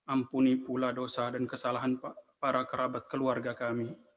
ampuni pula dosa dan kesalahan para kerabat keluarga kami